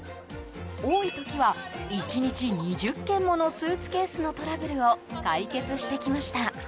多い時は、１日２０件ものスーツケースのトラブルを解決してきました。